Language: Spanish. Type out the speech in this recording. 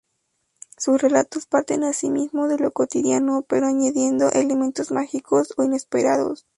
Sus relatos parten asimismo de lo cotidiano, pero añadiendo elementos mágicos o inesperados.